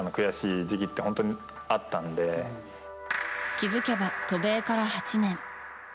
気づけば渡米から８年。